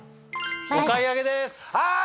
お買い上げですはい